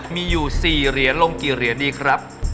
มีอยู่๔เหรียญลงกี่เหรียญดีครับ